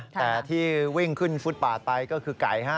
แต่ที่วิ่งขึ้นฟุตบาทไปก็คือไก่ฮะ